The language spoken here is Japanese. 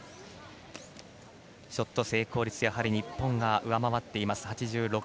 ショット成功率はやはり日本が上回っています。